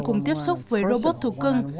cùng tiếp xúc với robot thú cưng